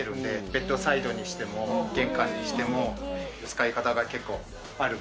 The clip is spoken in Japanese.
ベッドサイドにしても玄関にしても使い方が結構あるんで。